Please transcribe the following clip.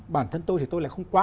bản thân tôi thì tôi lại không quá